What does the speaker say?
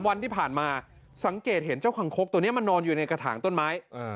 วันที่ผ่านมาสังเกตเห็นเจ้าคังคกตัวนี้มันนอนอยู่ในกระถางต้นไม้